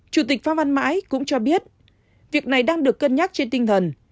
chủ tịch phan văn mãi cũng cho biết việc này đang được cân nhắc trên tinh thần